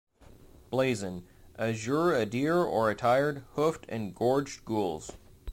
Blazon: Azure a Deer Or attired, hoofed and gorged Gules.